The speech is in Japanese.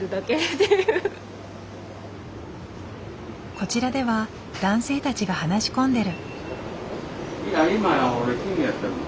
こちらでは男性たちが話し込んでる。